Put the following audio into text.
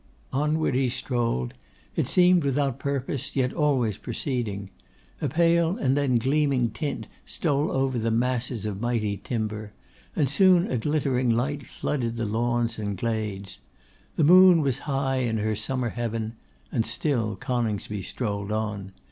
Onward he strolled; it seemed without purpose, yet always proceeding. A pale and then gleaming tint stole over the masses of mighty timber; and soon a glittering light flooded the lawns and glades. The moon was high in her summer heaven, and still Coningsby strolled on.